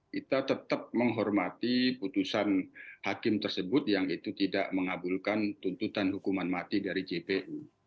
kita tetap menghormati putusan hakim tersebut yang itu tidak mengabulkan tuntutan hukuman mati dari jpu